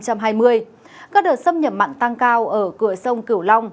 các đợt xâm nhập mặn tăng cao ở cửa sông cửu long